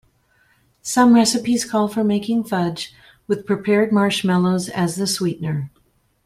Some recipes call for making fudge with prepared marshmallows as the sweetener.